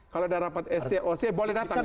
kalau ada rapat sc oc boleh datang